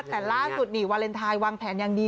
แต่ล่าสุดนี่วาเลนไทยวางแผนอย่างดี